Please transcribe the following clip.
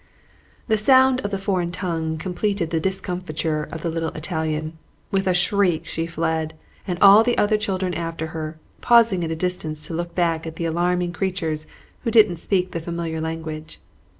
The sound of the foreign tongue completed the discomfiture of the little Italian. With a shriek she fled, and all the other children after her; pausing at a distance to look back at the alarming creatures who didn't speak the familiar language.